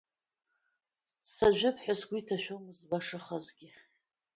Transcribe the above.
Сажәып ҳәа сгәы иҭашәомызт, башахазгьы.